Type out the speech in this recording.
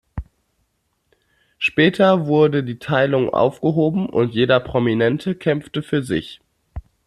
Später wurde die Teilung aufgehoben und jeder Prominente kämpfte für sich.